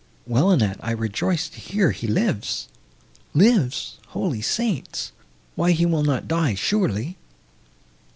"Well, Annette, I rejoice to hear he lives." "Lives! Holy Saints! why he will not die, surely!"